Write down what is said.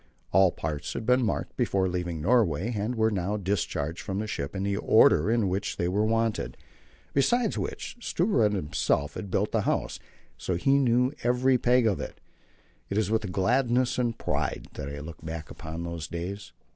All the parts had been marked before leaving Norway, and were now discharged from the ship in the order in which they were wanted. Besides which, Stubberud himself had built the house, so that he knew every peg of it. It is with gladness and pride that I look back upon those days.